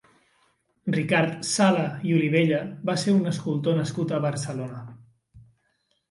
Ricard Sala i Olivella va ser un escultor nascut a Barcelona.